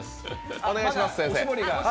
お願いします。